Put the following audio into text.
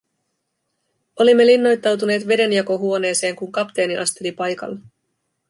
Olimme linnoittautuneet vedenjakohuoneeseen, kun kapteeni asteli paikalle.